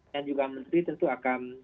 dan juga menteri tentu akan